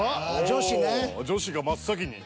女子が真っ先に。